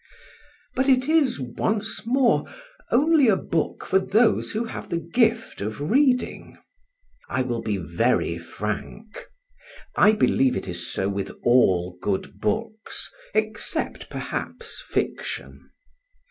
But it is, once more, only a book for those who have the gift of reading. I will be very frank I believe it is so with all good books except, perhaps, fiction.